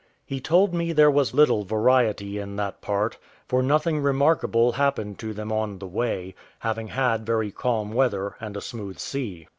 He told me there was little variety in that part, for nothing remarkable happened to them on the way, having had very calm weather and a smooth sea.